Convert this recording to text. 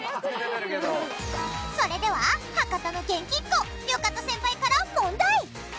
それでは博多の元気っ子よかと先輩から問題！